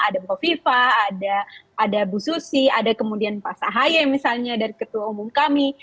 ada buho viva ada bu susi ada kemudian pak sahaye misalnya dari ketua umum kami